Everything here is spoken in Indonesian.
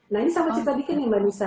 nah ini sama cipta dikit nih mbak nisa